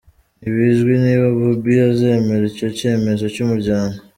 Ntibizwi niba Bobbi azemera icyo cyemezo cy’umuryango.